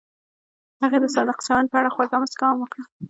هغې د صادق چمن په اړه خوږه موسکا هم وکړه.